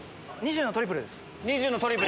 ２０のトリプルです。